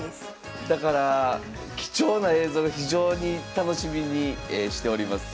だから貴重な映像が非常に楽しみにしております。